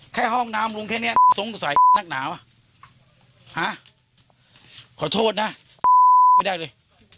ห้องน้ำลุงแค่นี้สงสัยนักหนาวฮะขอโทษนะไม่ได้เลย